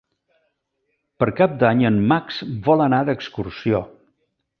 Per Cap d'Any en Max vol anar d'excursió.